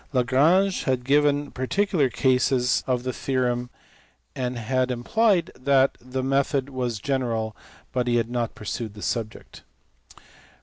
Lagrange had given particular cases of the theorem and had implied that the method was general, but he had not pursued the subject.